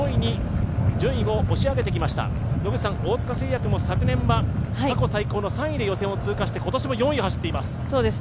大塚製薬も過去３年は３位で通過して今年も４位を走っています。